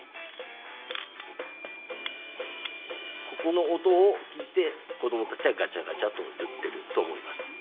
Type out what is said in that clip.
ここの音をきいてこどもたちはガチャガチャといってるとおもいます。